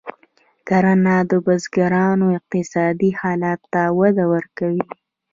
کرنه د بزګرانو اقتصادي حالت ته وده ورکوي.